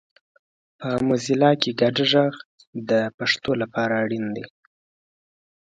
په موزیلا کې ګډ غږ د پښتو لپاره اړین دی